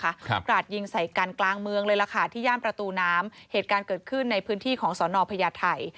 กราดยิงใส่กันกลางเมืองเลยล่ะค่ะที่ย่านประตูน้ำเหตุการณ์เกิดขึ้นในพื้นที่ของสอนอพญาไทย